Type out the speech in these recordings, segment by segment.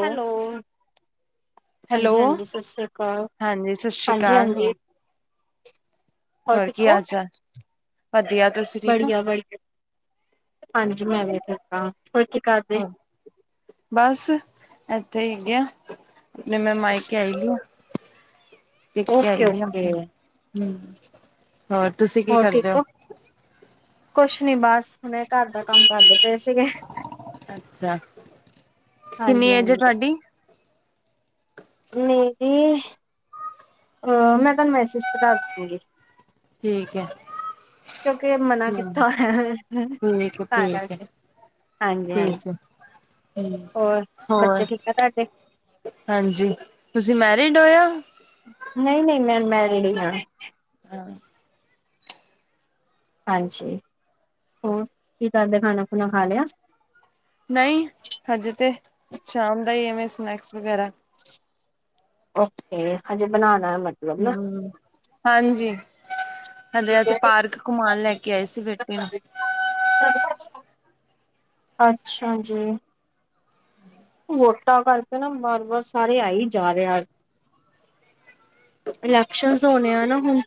Hello. Hello ਹਾਂਜੀ-ਹਾਂਜੀ ਸਸ ਸ੍ਰੀ ਅਕਾਲ, ਹਾਂਜੀ ਸਤਿ ਸ਼੍ਰੀ ਅਕਾਲ ਹਾਂਜੀ-ਹਾਂਜੀ। ਹੋਰ ਹੋਰ ਕੀ ਹਾਲ ਚਾਲ? ਵਧੀਆ ਤੁਸੀ ਬੜੀਆ-ਬੜੀਆ। ਹਾਂਜੀ ਮੈਂ ਵੀ ਠੀਕ ਆਂ। ਹੋਰ ਕੀ ਕਰਦੇ? ਹੋਰ ਬਸ ਏਥੇ ਹੀ ਹੈਗੇ ਆ ਤੇ ਮੈਂ ਮਾਈਕੇ ਆਈ ਹੋਈ ਆ। ਓਕੇ-ਓਕੇ। ਨਹੀਂ ਜੀ। ਹੋਰ ਤੁਸੀਂ ਹੋਰ ਠੀਕ ਹੋ, ਕੁਛ ਨਹੀਂ ਬਸ ਮੈਂ ਘਰ ਦਾ ਕੰਮ ਕਰਦੇ ਪਏ ਸੀਗੇ, ਅੱਛਾ ਕਿੰਨੀ ਏਜ ਹੈ ਹਾਂਜੀ-ਹਾਂਜੀ। ਤੁਹਾਡੀ ਮੇਰੀ ਅ ਮੈਂ ਤੁਹਾਨੂੰ ਮੈਸੇਜ ਤੇ ਦੱਸ ਦੂੰਗੀ। ਠੀਕ ਐ। ਕਿਉਂਕੇ ਮਨਾ ਕਿੱਤਾ ਹੋਇਆ, ਠੀਕ ਹੈ ਤਾਂ ਠੀਕ ਹੈ ਕਰਕੇ। ਠੀਕ ਹਾਂਜੀ-ਹਾਂਜੀ ਹੈ ਹੂੰ ਹੋਰ ਹੋਰ ਬੱਚੇ ਠੀਕ ਅ ਤੁਹਾਡੇ? ਹਾਂਜੀ ਤੁਸੀਂ ਮੈਰਿਡ ਹੋ ਯਾ ਨਹੀਂ-ਨਹੀਂ ਮੈਂ ਮੈਰੀਡ ਹੀ ਆਂ। ਹਾਂ। ਹਾਂਜੀ, ਹੋਰ ਕੀ ਕਰਦੇ ਖਾਣਾ ਖੁਣਾ ਖਾ ਲਿਆ? ਨਹੀਂ ਹਜੇ ਤੇ ਸ਼ਾਮ ਦਾ ਹੀ ਐਵੇਂ ਸਨੈਕਸ ਵਗੈਰਾ। ਓਕੇ ਹਜੇ ਬਣਾਉਣਾ ਐ ਮਨ। ਹ ਮ ਹਾਂਜੀ। ਹਲੇ ਅੱਜ ਪਾਰਕ ਕੁਮਾਣ ਲੈ ਕੇ ਆਏ ਸੀ ਬੇਟੇ ਨੂੰ। ਅੱਛਾ ਜੀ। ਵੋਟਾਂ ਕਰਕੇ ਨਾ ਬਾਰ-ਬਾਰ ਸਾਰੇ ਆਈ ਜਾ ਰਹੇ ਅੱਜ। ਇਲੈਕਸ਼ਨਸ ਹੋਣੇ ਆ ਨਾ ਹੁਣ।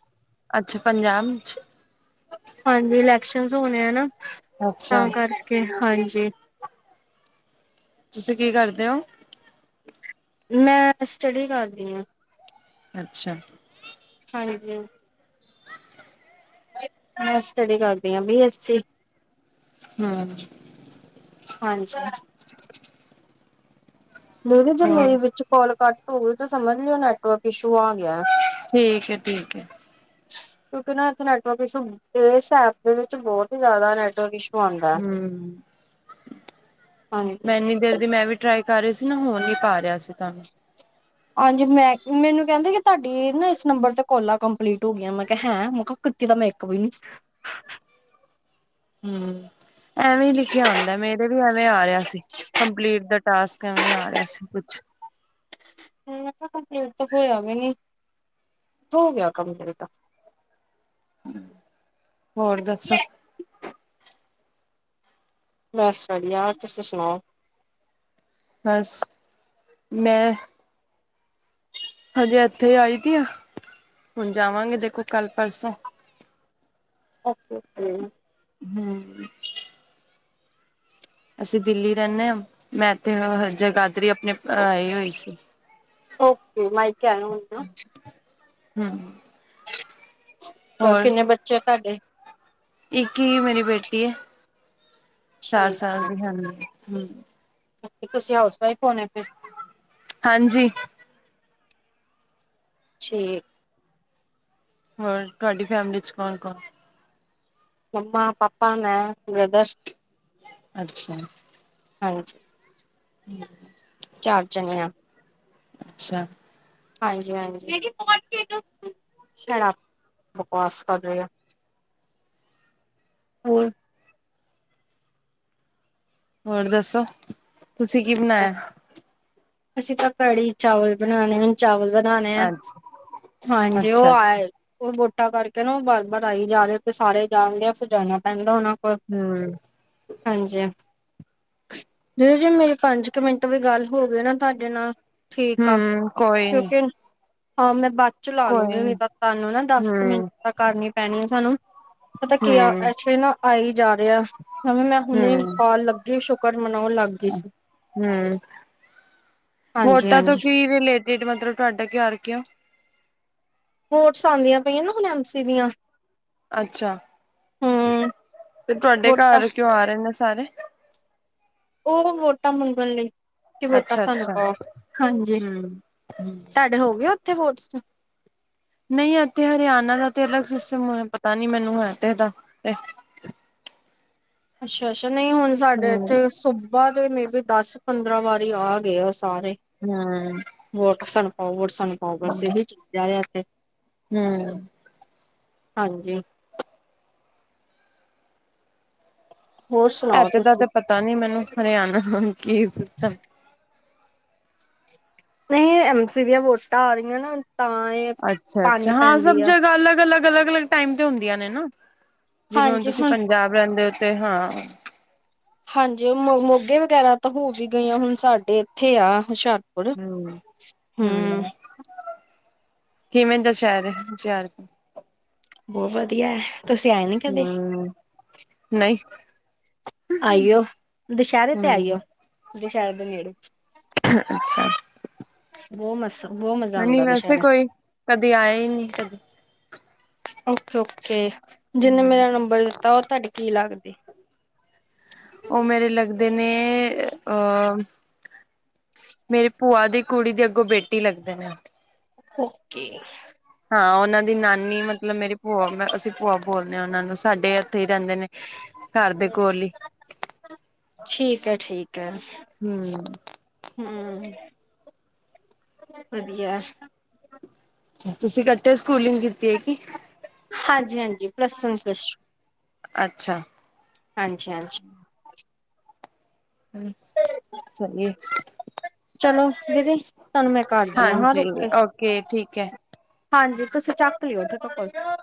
ਅੱਛਾ ਪੰਜਾਬ ਚ। ਹਾਂਜੀ, ਇਲੈਕਸ਼ਨ ਹੋਣੇ ਆ ਨਾ ਅੱਛਾ ਤਾਂ ਕਰਕੇ, ਹਾਂਜੀ। ਤੁਸੀਂ ਕੀ ਕਰਦੇ ਹੋ। ਮੈਂ ਤੇ ਸਟੱਡੀ ਕਰਦੀ ਆਂ। ਅੱਛਾ। ਹਾਂਜੀ। ਮੈਂ ਸਟਡੀ ਕਰਦੀ ਆਂ ਬੀ ਐੱਸ ਸੀ। ਹ ਮ। ਹਾਂਜੀ। ਦਿਦੀ ਜੇ ਹੋਰ ਮੇਰੀ ਵਿੱਚ ਕਾਲ ਕੱਟ ਹੋ ਗਈ ਤਾਂ ਸਮਝ ਲਿਓ ਨੈਟਵਰਕ ਇਸ਼ੂ ਆ ਗਿਆ ਹੈ। ਠੀਕ ਏ-ਠੀਕ ਏ। ਕਿਉਂਕਿ ਨਾ ਇੱਥੇ ਨੈਟਵਰਕ ਇਸ਼ੂ ਇਸ ਐਪ ਦੇ ਵਿੱਚ ਬਹੁਤ ਹੀ ਜ਼ਿਆਦਾ ਨੈਟਵਰਕ ਇਸ਼ੂ ਆਉਂਦਾ ਹੈ। ਹਮ, ਹਾਂਜੀ ਮੈਂ ਏਨੀ ਦੇਰ ਦੀ ਮੈਂ ਵੀ ਟਰਾਈ ਕਰ ਰਹੀ ਸੀ ਨਾ ਹੋ ਨੀ ਪਾ ਰਿਹਾ ਸੀ ਤੁਹਾਨੂੰ। ਹਾਂਜੀ ਮੈਂ ਮੈਨੂੰ ਕਹਿੰਦਾ ਕਿ ਤੁਹਾਡੀ ਨਾ ਇਸ ਨੰਬਰ ਤੇ ਕੋਲਾ ਕੰਪਲੀਟ ਹੋ ਗਈਆਂ ਮੈਂ ਕਿਹਾ ਹੈਂ ਮੈਂ ਕਹਾ ਕਿੱਤੀ ਤਾ ਮੈ ਇਕ ਵੀ ਨੀ ਹਮ, ਐਵੇਂ ਹੀ ਲਿਖਿਆ ਅੰਦਾ ਮੇਰੇ ਵੀ ਐਵੇਂ ਆ ਰਿਹਾ ਸੀ ਕੰਪਲੀਟ ਦਾ ਟਾਸਕ ਇਵੇਂ ਆ ਰਿਹਾ ਸੀ ਕੁਚ ਮੈ ਕਿਆ ਕੰਪਲੀਟ ਤਾਂ ਹੋਇਆ ਵੀ ਨੀ, ਹੋ ਗਿਆ ਕੰਪਲੀਟ। ਹੋਰ ਦੱਸੋ? ਬਸ ਵਧੀਆ ਤੁਸੀਂ ਸੁਣਾਓ? ਬਸ ਮੈਂ ਹਜੇ ਇੱਥੇ ਆਈ ਤੀ ਆਂ ਹੁਣ ਜਾਵਾਂਗੇ ਦੇਖੋ ਕੱਲ ਪਰਸੋਂ ਓਕੇ-ਓਕੇ। ਹੂੰ। ਅਸੀ ਦਿੱਲੀ ਰੈਂਨੇ ਆਂ। ਮੈਂ ਇੱਥੇ ਹ ਹ ਜਗਾਧਰੀ ਆਪਣੇ ਪ ਆਈ ਹੋਈ ਸੀ। ਓਕੇ, ਮਾਈਕੇ ਆਏ ਹੋਈ ਆਂ। ਹੂੰ। ਤੇ ਹੋਰ ਕਿੰਨੇ ਬੱਚੇ ਆ ਤੁਆਡੇ? ਇੱਕ ਹੀ ਮੇਰੀ ਬੇਟੀ ਐ ਚਾਰ ਠੀਕ ਸਾਲ ਦੀ, ਹਾਂਜੀ। ਹੂੰ। [unintelligible] ਤੇ ਤੁਸੀ ਹਾਊਸ ਵਈਫ ਹੋਣੇ ਨੇ। ਹਾਂਜੀ। ਛੇ ਹੋਰ ਤੁਆਡੀ ਫੈਮਲੀ 'ਚ ਕੋਣ-ਕੋਣ? ਮੰਮਾ, ਪਾਪਾ, ਮੈਂ, ਬ੍ਰਦਰ ਅੱਛਾ। ਹਾਂਜੀ। [unintelligible] ਚਾਰ ਜਾਣੇ ਆ। ਅੱਛਾ। ਹਾਂਜੀ-ਹਾਂਜੀ, ਸ਼ੈਟਪ ਬਕਵਾਸ ਕਰ ਰੇਐ। ਹੋਰ ਹੋਰ ਦੱਸੋ ਤੁਸੀ ਕੀ ਬਣਾਏਐ? ਅਸੀਂ ਤਾਂ ਕੜੀ ਚਾਵਲ ਬਣਾਣੇ ਹਨ। ਚਾਵਲ ਬਣਾਣੇ ਐ। ਅੱਜ ਹਾਂਜੀ ਓ ਅੱਛਾ ਅੱਛਾ ਆਏ ਔਰ ਵੋਟਾ ਕਰਕੇ ਨਾ ਓ ਬਾਰ-ਬਾਰ ਆਈ ਜਾ ਰੇ ਤੇ ਸਾਰੇ ਜਾਣਦੇ ਆ ਫਿਰ ਜਾਣਾ ਪੈਂਦਾ ਓਨਾਂ ਕੋਲ। ਹੂੰ। ਹਾਂਜੀ। ਜਿਵੇਂ-ਜਿਵੇਂ ਮੇਰੇ ਪੰਜ ਕ ਮਿੰਟ ਵੀ ਗੱਲ ਹੋਗੇ ਨਾ ਤਾਡੇ ਨਾ। ਠੀਕ ਆ ਹਮ ਕੋਈ ਨੀ ਕਿਉਂਕਿ ਹਾਂ ਮੈਂ ਬਾਦ ਚੋ ਲਾ ਕੋਈ ਲੂੰਗੀ ਨੀ ਨਈ ਤਾਂ ਤਾਨੂੰ ਨਾ ਦੱਸ ਕ ਮਿੰਟ ਹਮ ਤਾਂ ਕਰਨੀ ਪੈਣੀ ਐ ਸਾਨੂੰ। ਪਤੈ ਕੀ ਆ ਹਮ ਐਚੁਲੀ ਨਾ ਆਈ ਜਾ ਰਿਆ। ਹੂਨ ਮੈਂ ਹੁਣੇ ਹਮ ਪਾਨ ਲੱਗੀ ਸ਼ੁਕਰ ਮਨਾਉਣ ਲੱਗ ਗੀ ਸੀ। ਹੂੰ, ਹਾਂਜੀ ਵੋਟਾਂ ਤੋਂ ਹਾਂਜੀ ਕੀ ਰਿਲੇਟਿਡ ਮਤਲਬ ਤੁਆਡੇ ਘਾਰ ਕਿਉਂ? ਵੋਟਸ ਆਂਦੀਆਂ ਪਈਆਂ ਨਾ ਹੁਣ ਐਮ ਸੀ ਦੀਆਂ। ਅੱਛਾ ਹਮ ਤੇ ਤੁਆਡੇ ਵੋਟਾਂ ਘਾਰ ਕਿਉਂ ਆ ਰੇ ਨੇ ਸਾਰੇ? ਓ ਨਾ ਵੋਟਾਂ ਮੰਗਣ ਲਈ ਕਿ ਵੋਟਾਂ ਅੱਛਾ ਸਾਨੂੰ ਅੱਛਾ ਪਾਓ, ਹਾਂਜੀ। ਹਮ ਸਾ ਡੇ ਹੋ ਗਏ ਓਥੇ ਫੋਰਟਸ? ਨਈ ਏੱਥੇ ਹਰਯਾਣਾ ਦਾ ਤੇ ਅਲੱਗ ਸਿਸਟਮ ਹੋਨੈ, ਪਤਾ ਨੀ ਮੈਨੂੰ ਐਤੇ ਦਾ ਤੇ। ਅੱਸ਼ਾ-ਅੱਸ਼ਾ ਨਈ ਹੁਨ ਸਾਡੇ ਹਮ ਏੱਥੋਂ ਸਬ ਯਾ ਤੇ ਮੇਬੀ ਦਸ ਪੰਦਰਾਂ ਵਾਰੀ ਆ ਗੇ ਆ ਸਾਰੇ। ਹੂੰ। ਵੋਟ ਸਾਨੂ ਪਾਓ, ਵੋਟ ਸਾਨ ਪਾਓ ਬਸ ਏਹੋ ਈ ਚੀਜਾ ਐ ਐੱਥੇ। ਹੂੰ। ਹਾਂਜੀ। ਹੋਰ ਸੁਣਾਓ ਐੱਥੇ ਦਾ ਤੁਸੀਂ? ਤੇ ਪਤਾ ਨੀ ਮੈਨੂੰ ਹਰੇਆਣਾ ਹੁਣ ਕੀ ਸਿਸਟਮ ਨਹੀਂ ਐਮ ਸੀ ਦੀਆਂ ਵੋਟਾਂ ਆ ਰਈਆਂ ਨੇ ਤਾਂ ਏ ਅੱਛਾ-ਅੱਛਾ ਹਾਂ ਸਭ ਜਗਾ ਅਲੱਗ-ਅਲੱਗ, ਅਲੱਗ-ਅਲੱਗ ਟਾਈਮ ਤੇ ਹੁੰਦੀਆਂ ਨੇ ਨਾ। ਜਿਵੇਂ ਹੁਣ ਤੁਸੀ ਪੰਜਾਬ ਰੈਂਦੇ ਓ ਤੇ ਹਾਂ ਹਾਂਜੀ ਮ ਮੋਗੇ ਵਗੈਰਾ ਤਾਂ ਹੋ ਵੀ ਗਈਆਂ ਹੁਣ ਸਾਡੇ ਇੱਥੇ ਆ ਹੋਸ਼ਿਆਰ ਅਰੇ ਹਮ ਹੂੰ। ਹਮ ਕਿਵੇਂ ਦਾ ਸਹਿਰ ਹੈ ਹੋਸ਼ਿਆਰਪੁਰ? ਬਹੁਤ ਵਧੀਆ ਹੈ, ਤੁਸੀਂ ਆਏ ਨੀ ਕਦੇ? ਹਮ ਨਹੀਂ ਆਈਓ, ਦੁਸਹਿਰੇ ਤੇ ਹਮ ਆਈਓ, ਦੁਸਹਿਰੇ ਦੇ ਨੇੜੇ। ਅੱਛਾ। ਬਹੁਤ ਮਸ ਬਹੁਤ ਮਜ਼ਾ ਨਹੀਂ ਆਉਂਦਾ ਵੈਸੇ ਦੁਸ਼ਹਿਰਾ। ਕੋਈ ਕਦੇ ਆਏ ਨਹੀਂ ਕਦੀ। ਓਕੇ- ਓਕੇ ਜਿਹਨੇ ਹਮ ਮੇਰਾ ਨੰਬਰ ਦਿੱਤਾ, ਉਹ ਤੁਹਾਡੀੇ ਕੀ ਲੱਗਦੇ? ਉਹ ਮੇਰੇ ਲੱਗਦੇ ਨੇ, ਅਹ ਮੇਰੇ ਭੂਆ ਦੀ ਕੁੜੀ ਦੀ ਅੱਗੋਂ ਬੇਟੀ ਲੱਗਦੇ ਨੇ। ਓਕੇ। ਹਾਂ ਉਹਨਾਂ ਦੀ ਨਾਨੀ ਮਤਲਬ ਮੇਰੀ ਭੂਆ ਅਸੀਂ ਭੂਆ ਬੋਲਦੇ ਹਾਂ ਉਹਨਾਂ ਨੂੰ। ਸਾਡੇ ਇੱਥੇ ਹੀ ਰਹਿੰਦੇ ਨੇ, ਘਰ ਦੇ ਕੋਲ ਹੀ। ਠੀਕ ਹੈ- ਠੀਕ ਹੈ। ਹੂੰ। ਹੂੰ ਵਧੀਆ ਐ। ਅਛਾ ਤੁਸੀਂ ਇਕੱਠੇ ਸਕੂਲਿੰਗ ਕੀਤੀ ਹੋਈ ਕੀ? ਹਾਂਜੀ- ਹਾਂਜੀ ਪ੍ਰਸਨ ਅੱਛਾ। ਹਾਂਜੀ- ਹਾਂਜੀ। ਸਹੀਏ। ਚਲੋ ਦੀਦੀ, ਤੁਹਾਨੂੰ ਮੈਂ ਕਰਦੀ ਆ, ਹਾਂ ਹਾਂਜੀ ਰੁਕ ਕੇ। ਓਕੇ ਠੀਕ ਹੈ ਹਾਂਜੀ ਤੁਸੀਂ ਚੱਕ ਲਿਓ ਠੀਕ ਹੈ ਫੇਰ।